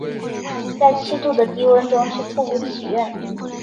在七度的低温中去瀑布祈愿